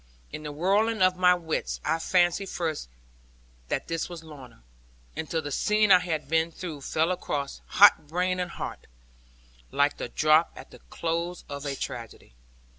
In the whirling of my wits, I fancied first that this was Lorna; until the scene I had been through fell across hot brain and heart, like the drop at the close of a tragedy.